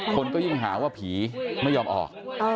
คนก็ยิ่งหาว่าผีไม่ยอมออก